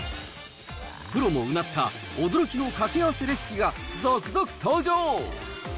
プロもうなった驚きのかけあわせレシピが続々登場！